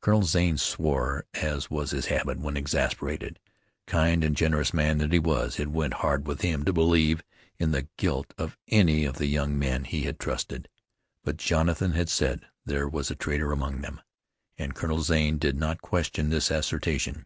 Colonel Zane swore, as was his habit when exasperated. Kind and generous man that he was, it went hard with him to believe in the guilt of any of the young men he had trusted. But Jonathan had said there was a traitor among them, and Colonel Zane did not question this assertion.